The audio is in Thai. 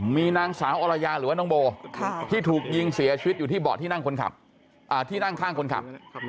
มีนางสาวอรรยาหรือว่าน้องโบที่ถูกยิงเสียชีวิตอยู่ที่บอร์ดที่นั่งข้างคนขับ